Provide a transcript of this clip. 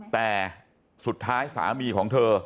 แต่สุดท้ายสามีของเธอ